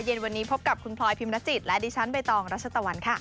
เย็นวันนี้พบกับคุณพลอยพิมรจิตและดิฉันใบตองรัชตะวันค่ะ